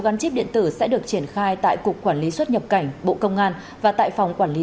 gắn chip điện tử sẽ được triển khai tại cục quản lý xuất nhập cảnh bộ công an và tại phòng quản lý